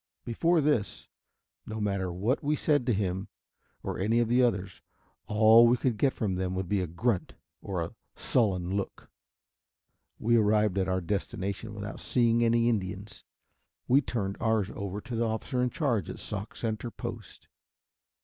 Before this, no matter what we said to him or any of the others, all we could get from them would be a grunt or a sullen look. We arrived at our destination without seeing any Indians. We turned ours over to the officer in charge of Sauk Center post.